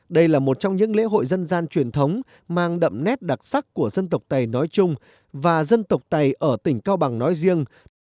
đây là một trong những lễ hội dân gian truyền thống mang đậm nét đặc sắc của dân tộc tây nói chung và dân tộc tây ở tỉnh cao bằng nói riêng